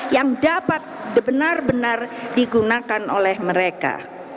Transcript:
yang dapat benar benar digunakan oleh mereka